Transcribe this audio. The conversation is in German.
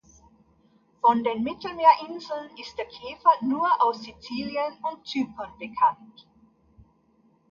Von den Mittelmeerinseln ist der Käfer nur aus Sizilien und Zypern bekannt.